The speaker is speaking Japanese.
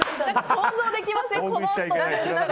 想像できません？